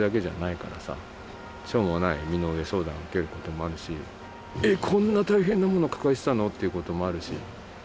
しょうもない身の上相談を受けることもあるしえっこんな大変なもの抱えてたの？っていうこともあるし。